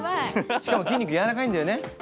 しかも筋肉やわらかいんだよね。